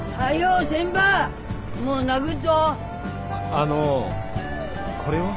あのうこれは？